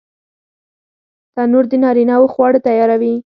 تنور د نارینه وو خواړه تیاروي